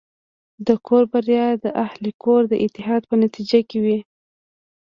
د کور بریا د اهلِ کور د اتحاد په نتیجه کې وي.